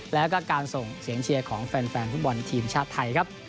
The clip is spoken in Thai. แล้วก็การส่งเสียงเชียร์ของแฟนฟุตบอลทีมชาติไทยครับ